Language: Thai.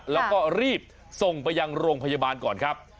แล้วก็รีบส่งไปยังโรงพยาบาลก่อนครับ